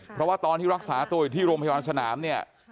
เพราะว่าตอนที่รักษาตัวอยู่ที่โรงพยาบาลสนามเนี่ย